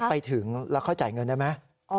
ไปถึงแล้วค่อยจ่ายเงินได้ไหม